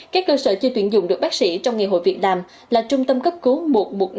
các cơ sở chưa tuyển dụng được bác sĩ trong nghề hội việt nam là trung tâm cấp cứu một một năm